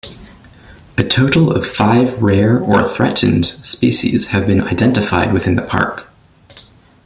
A total of five rare or threatened species have been identified within the park.